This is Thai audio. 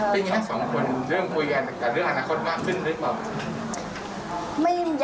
เรื่องคุยกันแต่เรื่องอนาคตมากขึ้นหรือเปล่า